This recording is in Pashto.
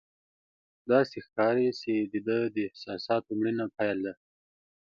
داسې ښکاري چې د ده د احساساتو مړینه پیل ده.